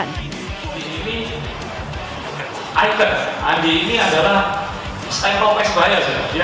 andi ini adalah icon andi ini adalah stand up persebaya